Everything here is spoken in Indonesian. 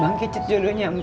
bangkit jodohnya mp